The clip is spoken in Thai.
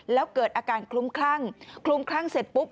แล้วเกิดอาการคลุ้มคลั่งคลุ้มคลั่งเสร็จปุ๊บ